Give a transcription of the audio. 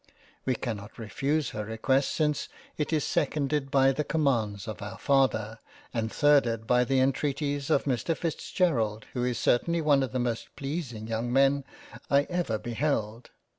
We cannot re fuse her request since it is seconded by the commands of our Father, and thirded by the entreaties of Mr. Fitzgerald who is certainly one of the most pleasing young Men, I ever be held.